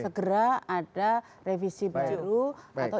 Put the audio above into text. segera ada revisi baru atau ini baru